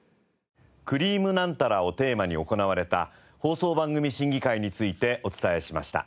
『くりぃむナンタラ』をテーマに行われた放送番組審議会についてお伝えしました。